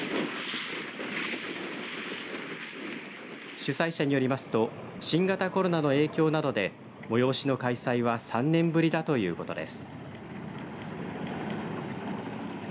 主催者によりますと新型コロナの影響などで催しの開催は３年ぶりだということです。